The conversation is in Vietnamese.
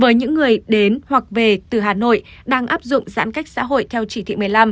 với những người đến hoặc về từ hà nội đang áp dụng giãn cách xã hội theo chỉ thị một mươi năm